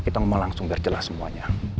kita ngomong langsung biar jelas semuanya